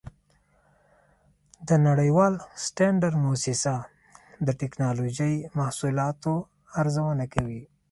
د نړیوال سټنډرډ مؤسسه د ټېکنالوجۍ محصولاتو ارزونه کوي.